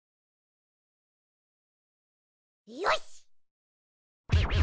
よし。